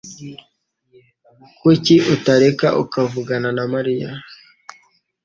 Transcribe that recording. Kuki utareka akavugana na Mariya?